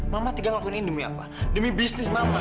mama tidak ngelakuin ini demi apa demi bisnis mama